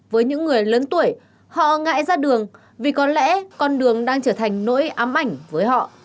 với những người lớn tuổi họ ngại ra đường vì có lẽ con đường đang trở thành nỗi ám ảnh với họ